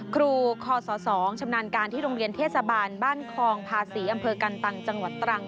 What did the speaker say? ครูคศ๒ชำนาญการที่โรงเรียนเทศบาลบ้านคองภาษีอำเภอกันตังจังหวัดตรัง